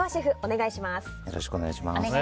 よろしくお願いします。